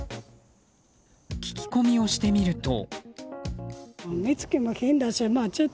聞き込みをしてみると。